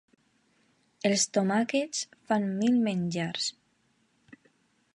Els tomàquets fan mil menjars.